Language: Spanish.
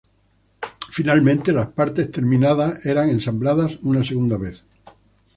Finalmente, las partes terminadas eran ensambladas una segunda vez.